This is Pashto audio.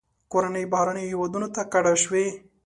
کورنۍ بهرنیو هیوادونو ته کډه شوې.